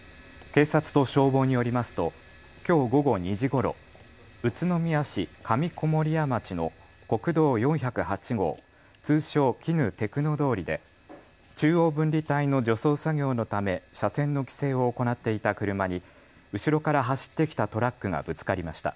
警察と消防によりますときょう午後２時ごろ、宇都宮市上籠谷町の国道４０８号通称、鬼怒テクノ通りで中央分離帯の除草作業のため車線の規制を行っていた車に後ろから走ってきたトラックがぶつかりました。